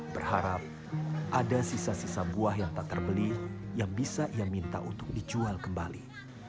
berharap ada sisa sisa buah yang tak terbeli yang bisa ia minta untuk dijual kembali